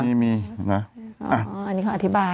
อันนี้เขาอธิบาย